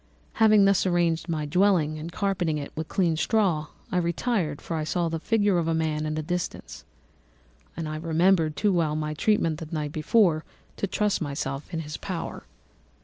"Having thus arranged my dwelling and carpeted it with clean straw, I retired, for I saw the figure of a man at a distance, and I remembered too well my treatment the night before to trust myself in his power.